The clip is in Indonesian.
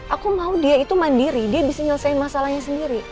aku mau dia itu mandiri dia bisa menyelesaikan masalahnya sendiri